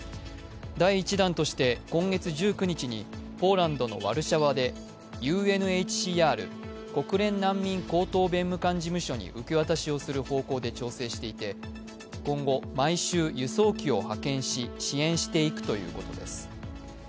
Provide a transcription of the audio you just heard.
第１弾として今月１９日にポーランドのワルシャワでＵＮＨＣＲ＝国連難民高等弁務官事務所に受け渡しをする方向で調整していて今後、毎週、輸送機を派遣し支援していくということです。